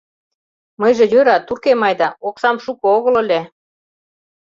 Мыйже, йӧра, туркем айда, оксам шуко огыл ыле.